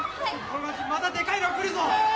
・またでかいの来るぞ！